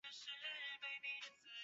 白方得兵。